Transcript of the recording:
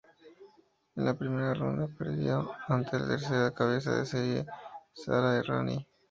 En la primera ronda perdió ante la tercera cabeza de serie, Sara Errani.